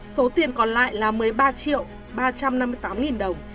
số tiền còn lại là một mươi ba triệu ba trăm năm mươi tám nghìn đồng